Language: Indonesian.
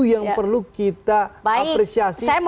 yang perlu kita apresiasi